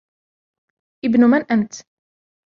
آبن من أنت ؟